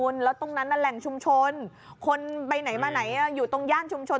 แล้วตรงนั้นน่ะแหล่งชุมชนคนไปไหนมาไหนอยู่ตรงย่านชุมชน